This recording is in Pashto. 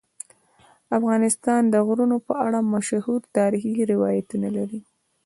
افغانستان د غرونه په اړه مشهور تاریخی روایتونه لري.